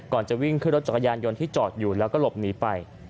จะวิ่งขึ้นรถจักรยานยนต์ที่จอดอยู่แล้วก็หลบหนีไป